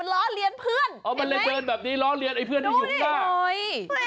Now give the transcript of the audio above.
อ่ามันเดินแบบนี้ร้อนเรียนเพื่อนในยุภหน้า